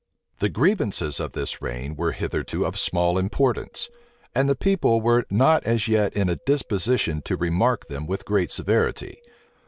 The grievances of this reign were hitherto of small importance; and the people were not as yet in a disposition to remark them with great severity.